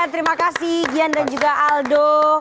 terima kasih gian dan juga aldo